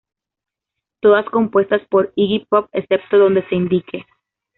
Todas compuestas por Iggy Pop, excepto donde se indique.